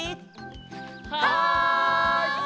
はい！